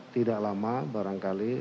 tidak lama barangkali